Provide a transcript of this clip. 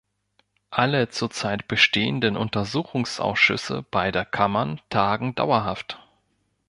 Alle zurzeit bestehenden Untersuchungsausschüsse beider Kammern tagen dauerhaft.